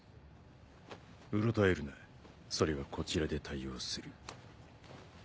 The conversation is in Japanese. うろたえるなそれはこちらで対応する。